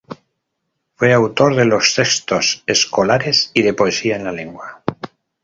Fue autor de los textos escolares y de poesía en la lengua.